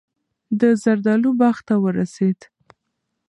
د زردالو باغ ته ورسېد.